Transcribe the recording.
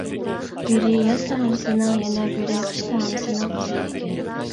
بىرى ياز تەڭرىسىنىڭ، يەنە بىرى قىش تەڭرىسىنىڭ قىزى ئىكەن.